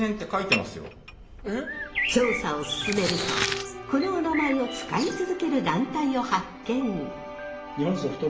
調査を進めるとこのおなまえを使い続ける団体を発見。